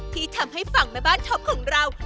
ที่ทำให้ฝั่งแม่บ้านท็อปของเรา